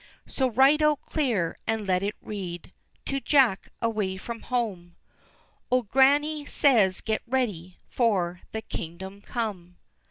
So write out clear, and let it read, _To Jack, away from home, Old Grannie says, get ready For the Kingdom come.